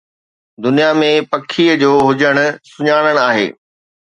دنيا ۾ پکيءَ جو هجڻ، سُڃاڻڻ آهي